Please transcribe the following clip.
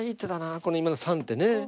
この今の３手ね。